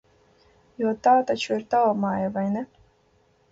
Jo tā taču ir tava māja, vai ne?